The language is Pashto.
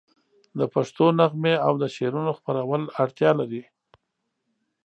د پښتو نغمې او د شعرونو خپرول اړتیا لري.